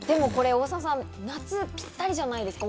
大沢さん、夏ぴったりじゃないですか？